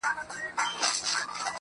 و تاته د جنت حوري غلمان مبارک.